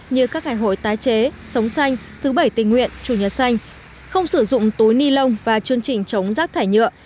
như các ngày hội tái chế sống xanh thứ bảy tình nguyện chủ nhật xanh không sử dụng túi ni lông và chương trình chống rác thải nhựa